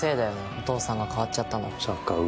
お父さんが変わっちゃったの。